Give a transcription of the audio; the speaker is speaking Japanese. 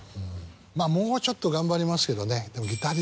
まぁもうちょっと頑張りますけどね。